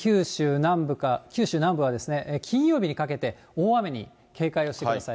九州南部はですね、金曜日にかけて大雨に警戒をしてください。